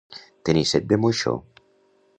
Tenir set de moixó.